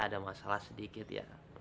ada masalah sedikit ya